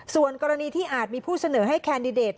ส่วนกรณีที่อาจมีผู้เสนอให้แคนดิเดต